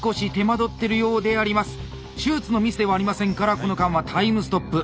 手術のミスではありませんからこの間はタイムストップ。